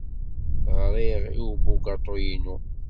Ɣriɣ i ubugaṭu-inu.